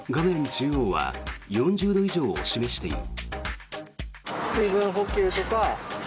中央は４０度以上を示している。